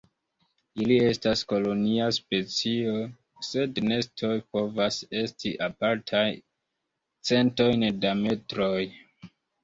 Ili estas kolonia specio, sed nestoj povas esti apartaj centojn da metroj.